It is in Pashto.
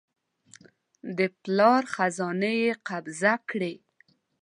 د پلار خزانې یې قبضه کړې.